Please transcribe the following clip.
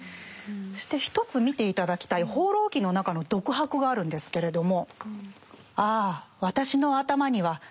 そして一つ見て頂きたい「放浪記」の中の独白があるんですけれども。